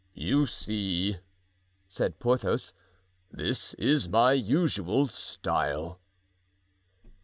"You see," said Porthos, "this is my usual style."